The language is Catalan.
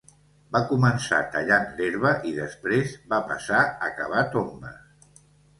Va començar tallant l'herba i després va passar a cavar tombes.